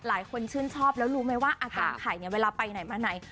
หลายคนชื่นชอบแล้วรู้ไหมว่าอาจารย์ไข่เนี่ยเวลาไปไหนมาไหน